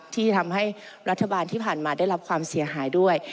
ที่ทำให้รัฐบาลที่ผ่านมาได้รับความเสียหายด้วย